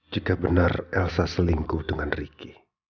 jika benar elsa selingkuh dengan ricky